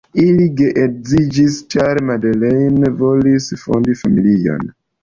Ili geedziĝis, ĉar Madeleine volis fondi familion.